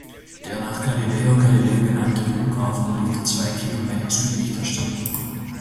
Der nach Galileo Galilei benannte Flughafen liegt zwei Kilometer südlich der Stadt.